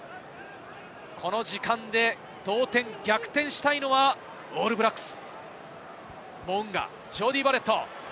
この時間で同点、逆転したいのはオールブラックス。